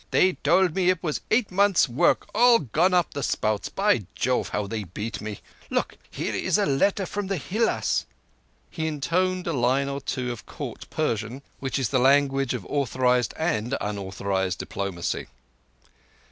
They told me it was eight months' work gone up the spouts! By Jove, how they beat me! ... Look, here is the letter from Hilás!" He intoned a line or two of Court Persian, which is the language of authorized and unauthorized diplomacy.